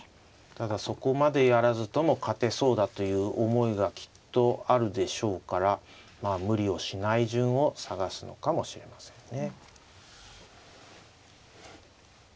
ただそこまでやらずとも勝てそうだという思いがきっとあるでしょうから無理をしない順を探すのかもしれませんね。